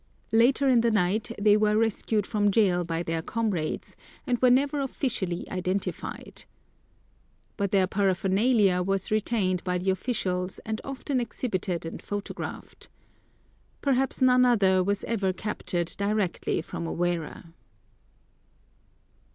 Later in the night they were rescued from jail by their comrades, and were never officially identified. But their paraphernalia was retained by the officials and often exhibited and photographed. Perhaps none other was ever captured directly from a wearer.